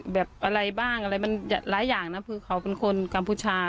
แบบอะไรบ้างอะไรมันหลายอย่างนะคือเขาเป็นคนกัมพูชา